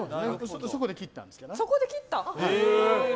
そこで切ったんです。